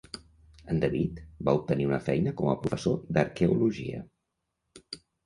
En David va obtenir una feina com a professor d'arqueologia.